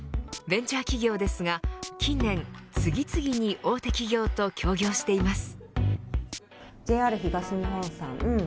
ベンチャー企業ですが近年次々に大手企業と協業しています。